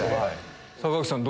坂口さん